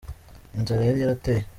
Inzara yari yarateye.